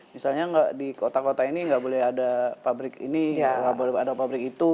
misalnya di kota kota ini nggak boleh ada pabrik ini nggak boleh ada pabrik itu